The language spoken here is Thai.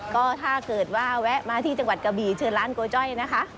ก็ถ้าเกิดว่าแวะมาที่จังหวัดกะบี่เชิญร้านโกจ้อยนะคะ